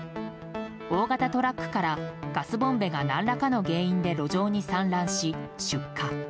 大型トラックから、ガスボンベが何らかの原因で路上に散乱し出火。